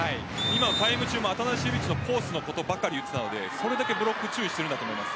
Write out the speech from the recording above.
タイム中もアタナシエビッチのコースのことばかり言っていたのでそれだけブロック注意していると思います。